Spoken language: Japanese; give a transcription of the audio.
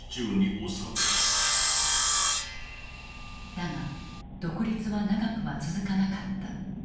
だが独立は長くは続かなかった。